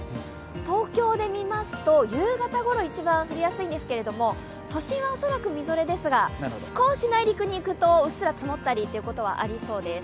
東京で見ますと夕方ごろ一番降りやすいんですけれども、都心は恐らくみぞれですが、少し内陸にいくとうっすら積もったりということはありそうです。